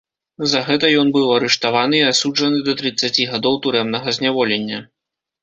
За гэта ён быў арыштаваны і асуджаны да трыццаці гадоў турэмнага зняволення.